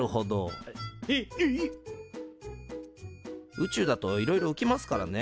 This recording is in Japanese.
宇宙だといろいろうきますからね。